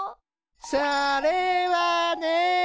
それはね。